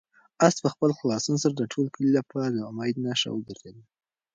آس په خپل خلاصون سره د ټول کلي لپاره د امید نښه وګرځېده.